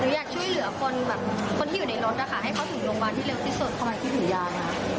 หรืออยากช่วยเหลือคนแบบคนที่อยู่ในรถนะคะให้เขาถึงโรงพยาบาลที่เร็วที่สุด